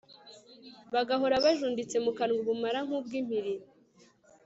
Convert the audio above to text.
bagahora bajunditse mu kanwa ubumara nk'ubw'impiri